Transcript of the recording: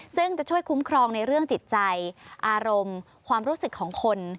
ซึ่งจะช่วยคุ้มครองในเรื่องจิตใจอารมณ์ความรู้สึกของคน